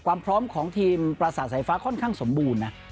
ความพร้อมของทีมประสาทสายฟ้าค่อนข้างสมบูรณ์นะ